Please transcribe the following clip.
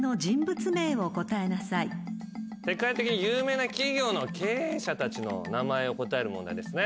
世界的に有名な企業の経営者たちの名前を答える問題ですね。